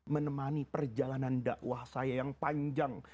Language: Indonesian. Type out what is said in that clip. menemani perjalanan dakwah saya yang panjang